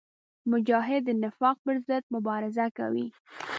مجاهد د نفاق پر ضد مبارزه کوي.